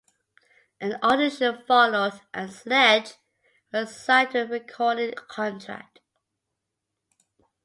An audition followed, and Sledge was signed to a recording contract.